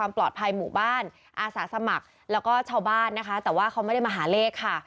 หมู่บ้านอาสาสมัครแล้วก็ชาวบ้านนะคะแต่ว่าเขาไม่ได้มาหาเลขค่ะ